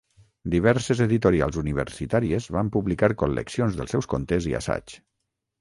Diverses editorials universitàries van publicar col·leccions dels seus contes i assaigs.